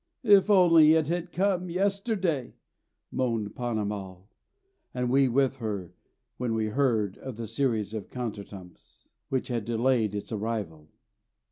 "If only it had come yesterday!" moaned Ponnamal, and we with her when we heard of the series of contretemps which had delayed its arrival.